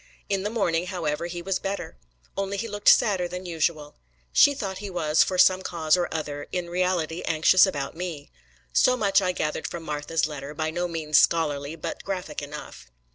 In the morning, however, he was better; only he looked sadder than usual. She thought he was, for some cause or other, in reality anxious about me. So much I gathered from Martha's letter, by no means scholarly, but graphic enough.